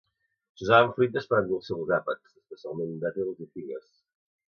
S'usaven fruites per endolcir els àpats, especialment dàtils i figues.